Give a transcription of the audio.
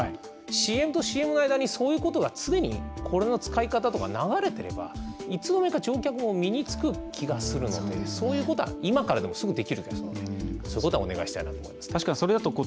ＣＭとＣＭの間に常に、これの使い方とか流れてれば、いつの間にか乗客も身につく気がするのでそういうことは今からでもすぐできるのでそういうことはお願いしたいと思います。